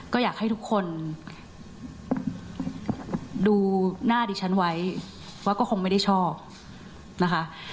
ก็อยากให้ทุกคนดูหน้าดิฉันไว้ว่าก็คงไม่ได้ชอบนะคะ